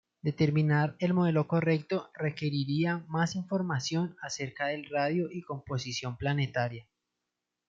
Determinar el modelo correcto requeriría más información acerca del radio y composición planetaria.